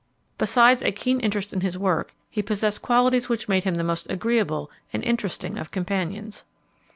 Besides a keen interest in his work, he possessed qualities which made him the most agreeable and interesting of companions.